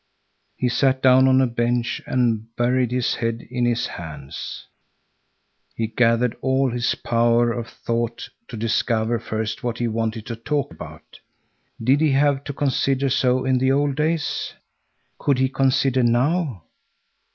He sat down on a bench and buried his head in his hands. He gathered all his powers of thought to discover first what he wanted to talk about. Did he have to consider so in the old days? Could he consider now?